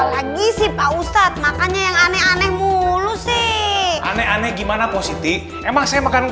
lagi sih pak ustadz makannya yang aneh aneh mulu sih aneh aneh gimana positif emang saya makan